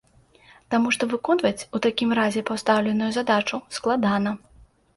Таму што выконваць у такім разе пастаўленую задачу складана.